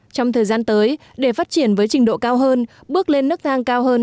trong thời gian tới để phát triển với trình độ cao hơn bước lên nước thang cao hơn